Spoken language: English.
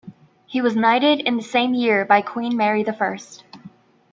He was knighted in the same year by Queen Mary the First.